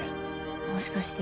もしかして。